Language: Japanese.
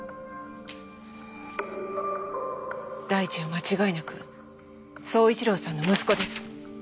大地は間違いなく宗一郎さんの息子です。